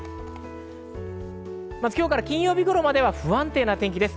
今日から金曜日頃までは不安定な天気です。